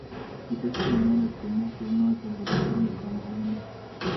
Kitestai inendet komwa kounoto kole tinye komongunet